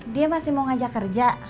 dia masih mau ngajak kerja